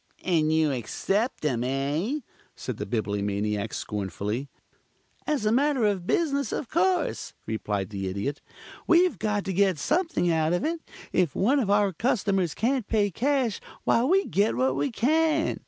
"And you accept them, eh?" said the Bibliomaniac scornfully. "As a matter of business, of course," replied the Idiot. "We've got to get something out of it. If one of our customers can't pay cash, why we get what we can.